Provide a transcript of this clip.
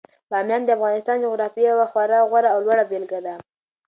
بامیان د افغانستان د جغرافیې یوه خورا غوره او لوړه بېلګه ده.